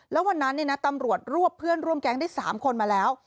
แล้ววันนั้นตำรวจรวบเพื่อนร่วมแก๊งได้๓คนมาแล้ว